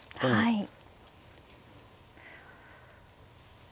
はい。